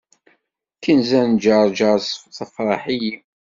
Kenza n ǧerǧer tefreḥ-iyi.